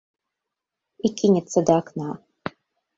І кінецца да акна.